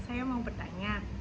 saya mau bertanya